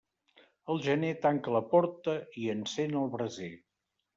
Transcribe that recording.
Al gener, tanca la porta i encén el braser.